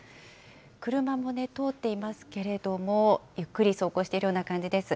車も通っていますけれども、ゆっくり走行しているような感じです。